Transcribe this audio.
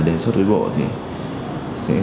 đến suốt đối bộ thì sẽ